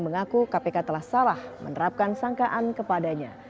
mengaku kpk telah salah menerapkan sangkaan kepadanya